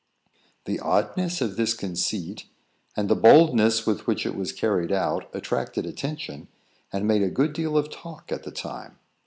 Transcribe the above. The oddness of this conceit, and the boldness with which it was carried out, attracted attention, and made a good deal of talk at the time.